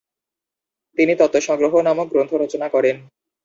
তিনি তত্ত্বসংগ্রহ নামক গ্রন্থ রচনা করেন।